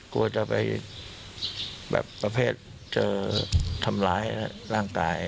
กลัวจะไปแบบประเภทเจอทำร้ายร่างกาย